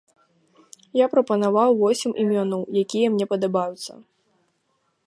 Я прапанаваў восем імёнаў, якія мне падабаюцца.